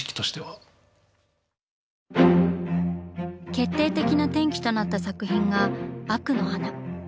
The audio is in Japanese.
決定的な転機となった作品が「惡の華」。